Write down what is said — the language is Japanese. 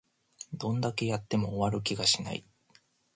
どんだけやっても終わる気がしない